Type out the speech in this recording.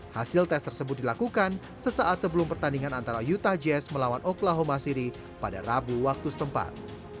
hasil tes tersebut dilakukan sesaat sebelum pertandingan antara yuta jazz melawan oklahoma city pada rabu waktu setempat